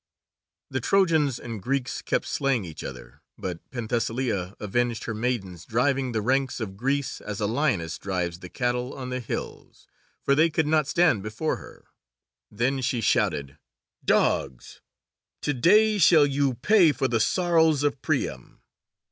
The Trojans and Greeks kept slaying each other, but Penthesilea avenged her maidens, driving the ranks of Greece as a lioness drives the cattle on the hills, for they could not stand before her. Then she shouted, "Dogs! to day shall you pay for the sorrows of Priam!